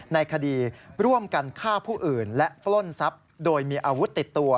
ในคดีร่วมกันฆ่าผู้อื่นและปล้นทรัพย์โดยมีอาวุธติดตัว